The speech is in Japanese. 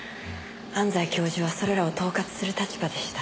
安西教授はそれらを統括する立場でした。